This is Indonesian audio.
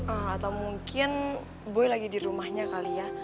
atau mungkin boy lagi di rumahnya kali ya